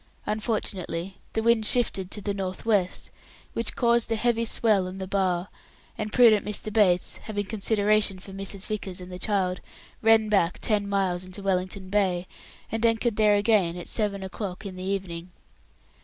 Unfortunately the wind shifted to the north west, which caused a heavy swell on the bar, and prudent Mr. Bates, having consideration for Mrs. Vickers and the child, ran back ten miles into Wellington Bay, and anchored there again at seven o'clock in the morning.